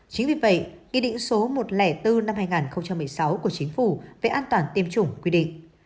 chính vì vậy nghị định số một trăm linh bốn năm hai nghìn một mươi sáu của chính phủ về an toàn tiêm chủng quy định